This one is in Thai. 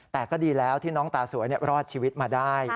แต่ก็ดีแล้วที่น้องตาสวยรอดชีวิตมาได้